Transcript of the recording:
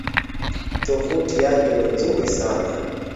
Tovuti yake ni nzuri sana.